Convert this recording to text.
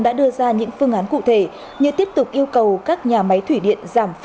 đã đưa ra những phương án cụ thể như tiếp tục yêu cầu các nhà máy thủy điện